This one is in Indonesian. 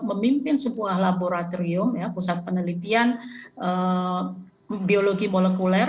memimpin sebuah laboratorium pusat penelitian biologi molekuler